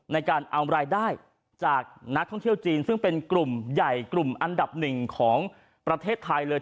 ในการเอารายได้จากนักท่องเที่ยวจีนซึ่งเป็นกลุ่มใหญ่กลุ่มอันดับหนึ่งของประเทศไทยเลย